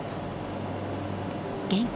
現金